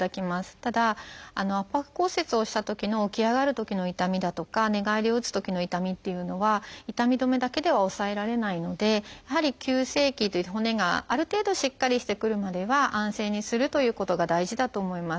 ただ圧迫骨折をしたときの起き上がるときの痛みだとか寝返りを打つときの痛みっていうのは痛み止めだけでは抑えられないのでやはり急性期骨がある程度しっかりしてくるまでは安静にするということが大事だと思います。